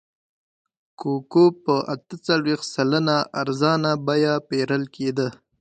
کوکو په اته څلوېښت سلنه ارزانه بیه پېرل کېده.